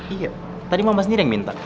iya tadi mama sendiri yang minta